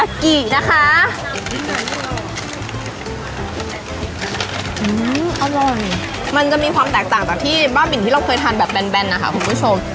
อร่อยมันจะมีความแตกต่างจากที่บ้าบินที่เราเคยทานแบบแบนนะคะคุณผู้ชม